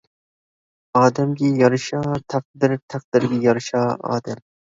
ئادەمگە يارىشا تەقدىر، تەقدىرگە يارىشا ئادەم!